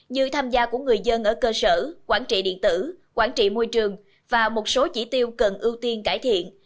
như tham gia của người dân ở cơ sở quản trị điện tử quản trị môi trường và một số chỉ tiêu cần ưu tiên cải thiện